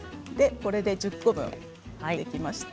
これで１０個分できました。